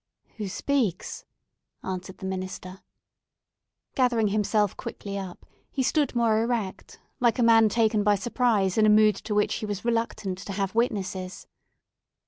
"Who speaks?" answered the minister. Gathering himself quickly up, he stood more erect, like a man taken by surprise in a mood to which he was reluctant to have witnesses.